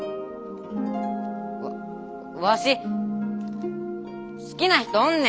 ワワシ好きな人おんねん。